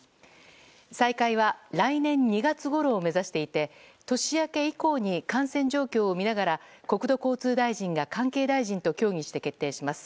再開は来年２月ごろを目指していて年明け以降に感染状況を見ながら国土交通大臣が関係大臣と協議して決定します。